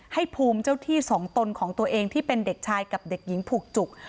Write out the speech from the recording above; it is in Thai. ให้ภูมิเจ้าที่สองตนของตัวเองที่เป็นเด็กชายกับเด็กหญิงผูกจุก